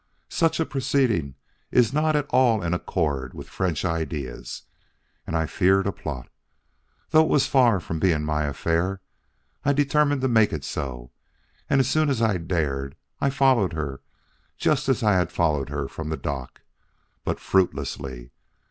Such a proceeding is not at all in accord with French ideas, and I feared a plot. Though it was far from being my affair, I determined to make it so; and as soon as I dared, I followed her just as I had followed her from the dock. But fruitlessly!